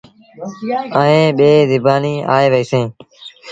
ائيٚݩ ٻيٚن زبآنيٚن آئي وهيٚسيٚݩ۔